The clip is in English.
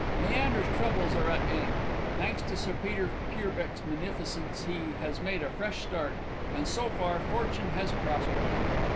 Leander's troubles are at end. Thanks to Sir Peter Purbecke's munificence, he has made a fresh start; and, so far, Fortune has prospered him.